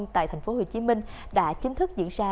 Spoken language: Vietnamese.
tại tp hcm đã chính thức diễn ra